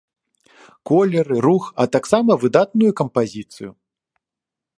Колеры, рух, а таксама выдатную кампазіцыю.